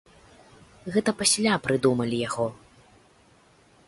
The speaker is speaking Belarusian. Гэта пасля прыдумалі яго.